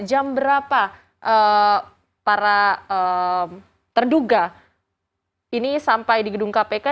jam berapa para terduga ini sampai di gedung kpk